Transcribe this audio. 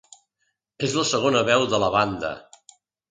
És la segona veu de la banda.